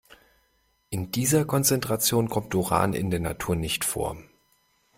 In dieser Konzentration kommt Uran in der Natur nicht vor.